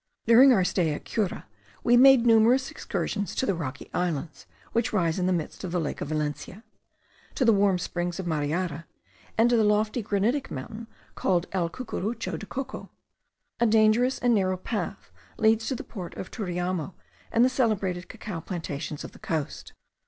During our stay at Cura we made numerous excursions to the rocky islands (which rise in the midst of the lake of Valencia,) to the warm springs of Mariara, and to the lofty granitic mountain called El Cucurucho de Coco. A dangerous and narrow path leads to the port of Turiamo and the celebrated cacao plantations of the coast.